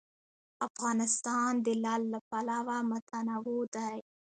افغانستان د لعل له پلوه متنوع دی.